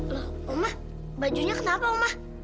loh oma bajunya kenapa oma